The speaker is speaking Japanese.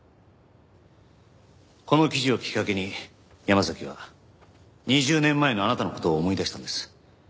この記事をきっかけに山崎は２０年前のあなたの事を思い出したんです。